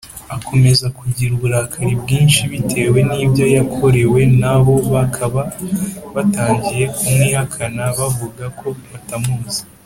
Akomeza kugira uburakari bwinshi bitewe nibyo yakorewe nabo bakaba batangiye kumwihakana bavuga ko batanamuzi.